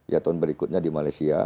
ya tahun berikutnya di malaysia